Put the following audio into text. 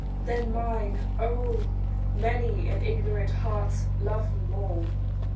Than mine, oh, many an ignorant heart loves more!